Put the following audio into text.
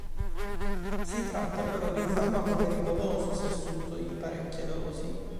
Si tratta però di un farmaco pericoloso se assunto in parecchie dosi.